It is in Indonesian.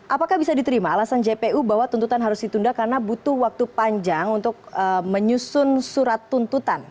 apakah bisa diterima alasan jpu bahwa tuntutan harus ditunda karena butuh waktu panjang untuk menyusun surat tuntutan